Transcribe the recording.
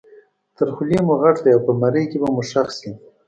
تر خولې مو غټ دی او په مرۍ کې به مو ښخ شي.